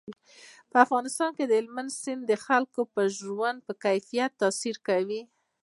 په افغانستان کې هلمند سیند د خلکو د ژوند په کیفیت تاثیر کوي.